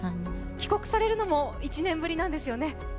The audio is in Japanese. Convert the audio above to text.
帰国されるのも１年ぶりなんですよね？